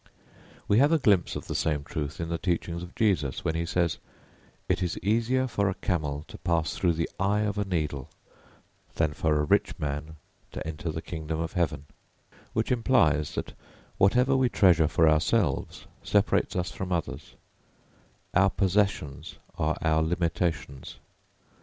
We have a glimpse of the same truth in the teachings of Jesus when he says, "It is easier for a camel to pass through the eye of a needle than for a rich man to enter the kingdom of Heaven" which implies that whatever we treasure for ourselves separates us from others; our possessions are our limitations.